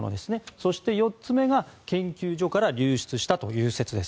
そして、４つ目が研究所から流出したという説です。